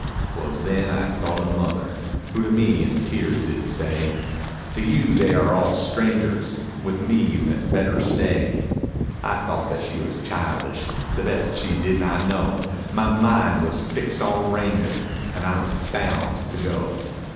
'Twas then I thought of mother, who to me in tears did say, "To you they are all strangers, with me you had better stay." I thought that she was childish, the best she did not know; My mind was fixed on ranging and I was bound to go.